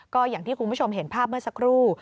ก็อย่างที่คุณผู้ชมเห็นภาพเมื่อสักครู่